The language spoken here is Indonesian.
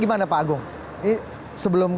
gimana pak agung ini sebelum